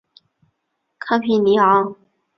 康皮尼昂。